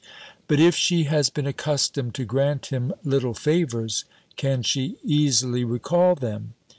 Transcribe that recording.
But if she has been accustomed to grant him little favours, can she easily recal them?